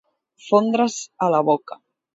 Fondre's a la boca.